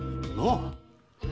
なあ！